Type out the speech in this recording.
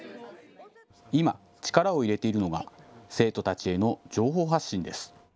今、力を入れているのが生徒たちへの情報発信です。